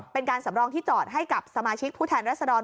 เป็นการสำรองที่จอดให้กับสมาชิกผู้แทนรัศดร